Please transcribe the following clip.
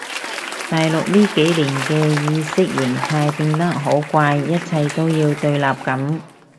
大陸呢幾年嘅意識形態變得好怪一切都要對立噉